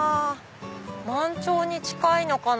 満潮に近いのかな？